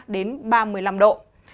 đến ba mươi năm độ